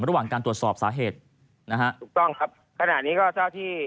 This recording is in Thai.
ระหว่างการตรวจสอบสาเหตุนะฮะถูกต้องครับขณะนี้ก็เจ้าที่